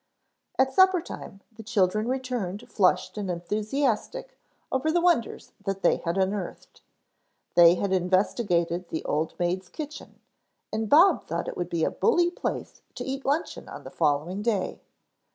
At supper time the children returned flushed and enthusiastic over the wonders that they had unearthed. They had investigated the Old Maid's Kitchen and Bob thought it would be a bully place to eat luncheon on the following day.